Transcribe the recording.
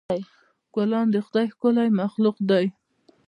ګلان د خدای ښکلی مخلوق دی.